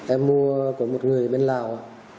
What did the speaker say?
em mua của một người bên lào